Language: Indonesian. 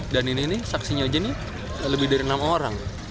dan ini saksinya aja nih lebih dari enam orang